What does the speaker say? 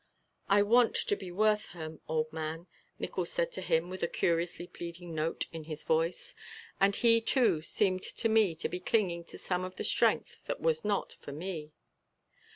"I want to be worth her, old man," Nickols said to him with a curiously pleading note in his voice, and he, too, seemed to me to be clinging to some of the strength that was not for me.